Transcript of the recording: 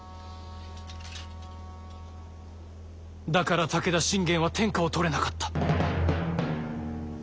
だから武田信玄は天下を取れなかった。